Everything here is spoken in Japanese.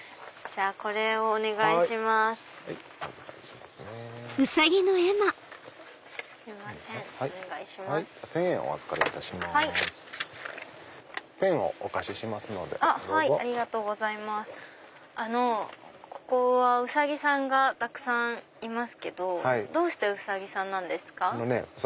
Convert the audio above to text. あのここはウサギさんがたくさんいますけどどうしてウサギさんなんですか？